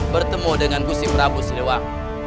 bertemu dengan gusi prabu silewang